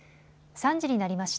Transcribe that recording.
３時になりました。